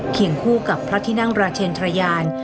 เคียงคู่กับพระทินังราชเนรยาน